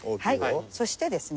そしてですね